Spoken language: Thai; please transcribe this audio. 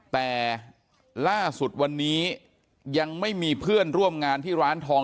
แต่ล่าสุดวันนี้ยังไม่มีเพื่อนร่วมงานที่ร้านทอง